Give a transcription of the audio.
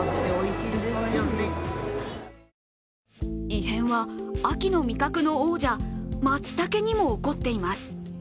異変は秋の味覚の王者、松茸にも起こっています。